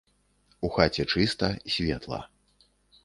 У хаце чыста, светла.